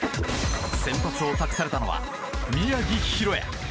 先発を託されたのは宮城大弥。